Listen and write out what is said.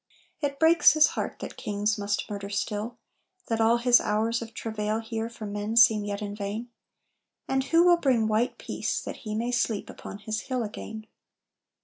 It breaks his heart that kings must murder still, That all his hours of travail here for men Seem yet in vain. And who will bring white peace That he may sleep upon his hill again?